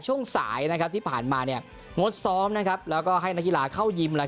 ช่วงสายที่ผ่านมางดซ้อมนะครับแล้วก็ให้นักกีฬาเข้ายิม